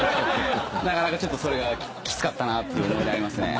ちょっとそれがきつかったなっていう思い出ありますね。